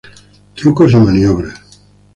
Trucos y maniobras.